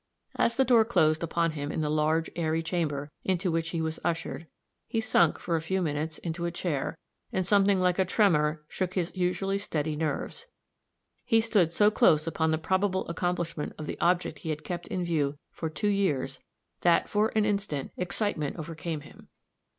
As the door closed upon him in the large, airy chamber into which he was ushered, he sunk, for a few moments, into a chair, and something like a tremor shook his usually steady nerves. He stood so close upon the probable accomplishment of the object he had kept in view for two years, that, for an instant, excitement overcame him.